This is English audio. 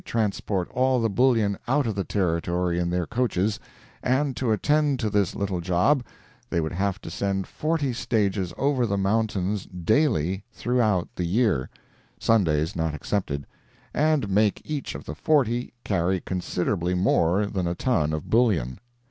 transport all the bullion out of the Territory in their coaches, and to attend to this little job, they would have to send forty stages over the mountains daily throughout the year, Sundays not excepted, and make each of the forty carry considerably more than a ton of bullion!